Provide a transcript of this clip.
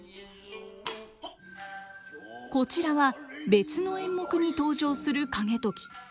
こちらは別の演目に登場する景時。